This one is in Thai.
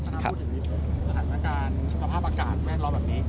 สถานการณ์สภาพอากาศแม่นเราแบบนี้